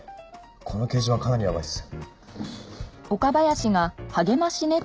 この掲示板かなりやばいです。